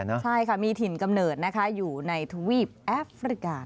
ใช่ค่ะมีถิ่นกำเนิดนะคะอยู่ในทวีปแอฟริกา